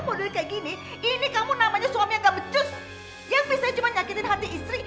model kayak gini ini kamu namanya suami yang gak becus yang biasanya cuma nyakitin hati istri